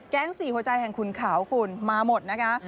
แก๊งสี่หัวใจของคุณขาวคุณมาหมดนะฮะ